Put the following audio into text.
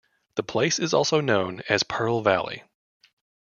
The place is also known as Pearl Valley.